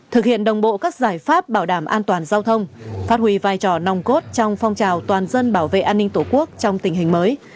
thực hiện đồng bộ các giải pháp bảo đảm an toàn giao thông phát huy vai trò nòng cốt trong phong trào toàn dân bảo vệ an ninh tổ quốc trong tình hình mới